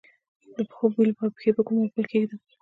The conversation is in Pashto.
د پښو د بوی لپاره پښې په کومو اوبو کې کیږدم؟